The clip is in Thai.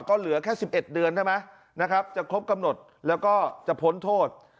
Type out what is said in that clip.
ก็เหลือแค่๑๑เดือนใช่ไหมนะครับจะครบกำหนดแล้วก็จะพ้นโทษ